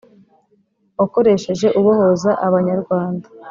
wakoresheje ubohoza abanyarwanda